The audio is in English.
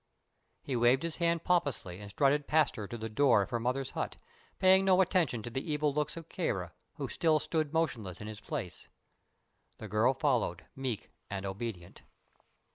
He waved his hand pompously and strutted past her to the door of her mother's hut, paying no heed to the evil looks of Kāra, who still stood motionless in his place. The girl followed, meek and obedient.